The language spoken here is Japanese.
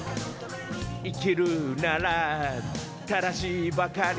生きるなら正しいばかり